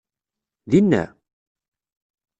Din-a?